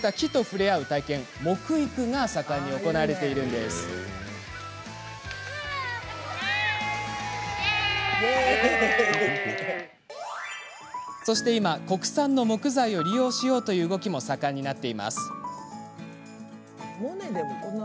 そして今、国産の木材を利用しようという動きも盛んになっているんです。